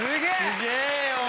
・・すげぇよ・